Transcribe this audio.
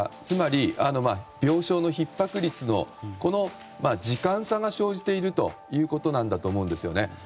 つまり病床のひっ迫率の時間差が生じているということなんだと思うんですよね。